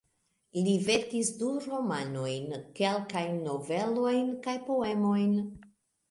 Li verkis du romanojn, kelkajn novelojn kaj poemojn.